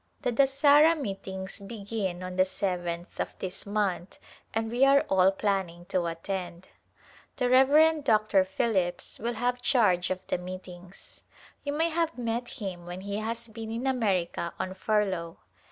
The Dasahra meetings begin on the seventh of this month and we are all planning to attend. The Rev. Dr. Phillips will have charge of the meetings. You may have met him when he has been in America on furlough.